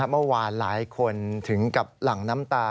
เมื่อวานหลายคนถึงกับหลั่งน้ำตา